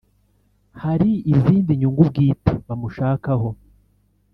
hari izindi nyungu bwite bamushakaho